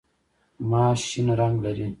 ماش شین رنګ لري.